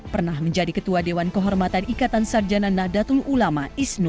pernah menjadi ketua dewan kehormatan ikatan sarjana nahdlatul ulama